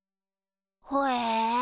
ほえ。